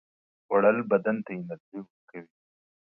خوړل بدن ته انرژي ورکوي